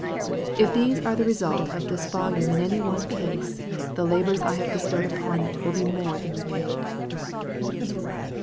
If these are the results of this volume in any one case, tht labor I have bestowed upon it will be more than repaid.